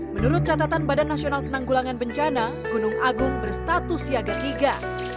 menurut catatan badan nasional penanggulangan bencana gunung agung berstatus siaga tiga